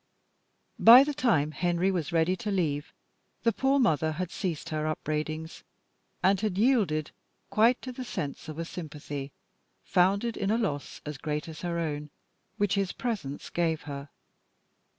By the time Henry was ready to leave the poor mother had ceased her upbraidings, and had yielded quite to the sense of a sympathy, founded in a loss as great as her own, which his presence gave her.